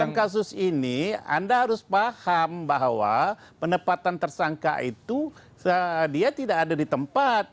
dalam kasus ini anda harus paham bahwa penempatan tersangka itu dia tidak ada di tempat